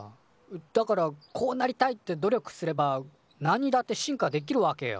だからこうなりたいって努力すればなんにだって進化できるわけよ。